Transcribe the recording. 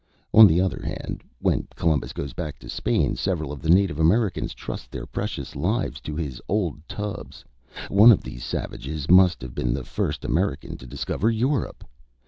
On the other hand, when Columbus goes back to Spain several of the native Americans trust their precious lives to his old tubs. One of these savages must have been the first American to discover Europe.